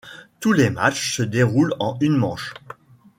Tous les matchs se déroulent en une manche.